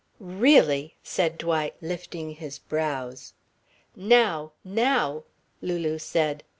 "Really," said Dwight, lifting his brows. "Now now!" Lulu said.